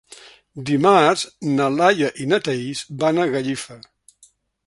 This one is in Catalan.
Dimarts na Laia i na Thaís van a Gallifa.